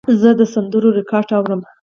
زه د سندرو ریکارډ اورم.